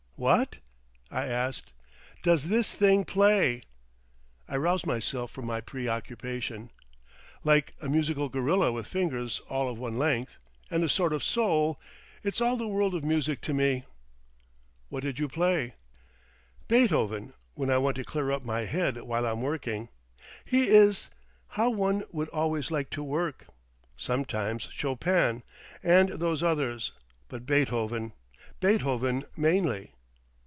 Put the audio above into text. "What?" I asked. "Does this thing play?" I roused myself from my preoccupation. "Like a musical gorilla with fingers all of one length. And a sort of soul.... It's all the world of music to me." "What do you play?" "Beethoven, when I want to clear up my head while I'm working. He is—how one would always like to work. Sometimes Chopin and those others, but Beethoven. Beethoven mainly.